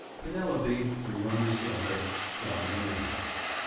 Penelope, her youngest daughter, died a mayd.